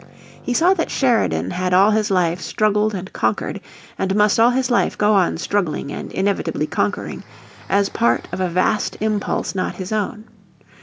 He saw that Sheridan had all his life struggled and conquered, and must all his life go on struggling and inevitably conquering, as part of a vast impulse not his own.